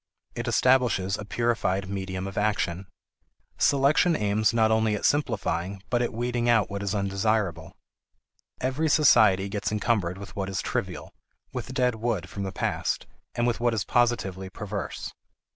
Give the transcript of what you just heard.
It establishes a purified medium of action. Selection aims not only at simplifying but at weeding out what is undesirable. Every society gets encumbered with what is trivial, with dead wood from the past, and with what is positively perverse.